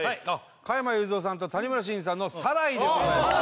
加山雄三さんと谷村新司さんの「サライ」でございます